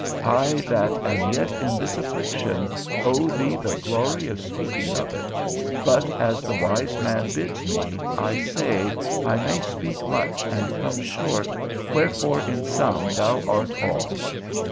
I that am yet in this affliction, owe thee the glory of speaking of it; but, as the wise man bids me, I say, I may speak much and come short, wherefore in sum thou art all.